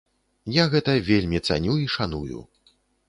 Я гэта вельмі цаню і шаную.